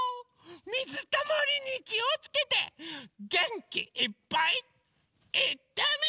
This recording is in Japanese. みずたまりにきをつけてげんきいっぱいいってみよう！